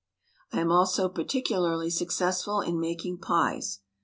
I am also particularly successful in making pies.